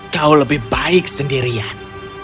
kau lebih baik sendirian